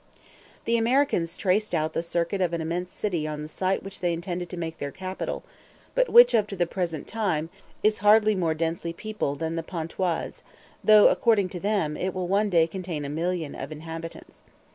The Americans traced out the circuit of an immense city on the site which they intended to make their capital, but which, up to the present time, is hardly more densely peopled than Pontoise, though, according to them, it will one day contain a million of inhabitants.